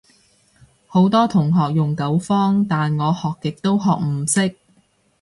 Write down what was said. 好多同學用九方，但我學極都學唔識